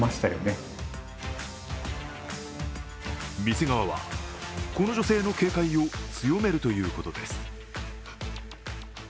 店側はこの女性の警戒を強めるということです。